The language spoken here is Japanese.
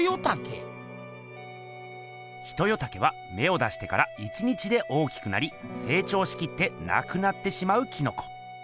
ヒトヨタケはめを出してから１日で大きくなりせい長しきってなくなってしまうキノコ。